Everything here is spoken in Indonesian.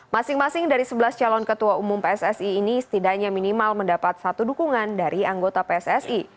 masing masing dari sebelas calon ketua umum pssi ini setidaknya minimal mendapat satu dukungan dari anggota pssi